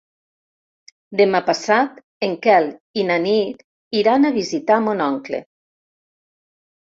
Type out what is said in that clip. Demà passat en Quel i na Nit iran a visitar mon oncle.